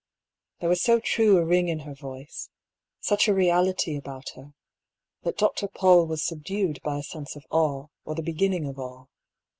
There was so true a ring in her voice, such a reality about her, that Dr. PauU was subdued by a sense of awe, or the beginning of awe.